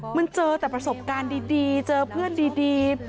มันเจอแต่ประสบการณ์ดีเจอเพื่อนดี